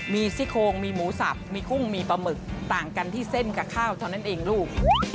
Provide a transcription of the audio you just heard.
มีซี่โคงมีหมูสับมีกุ้งมีปลาหมึกต่างกันที่เส้นกับข้าวเท่านั้นเองลูก